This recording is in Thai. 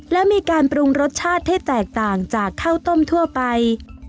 และมีการปรุงรสชาติให้แตกต่างจากข้าวต้มทั่วไป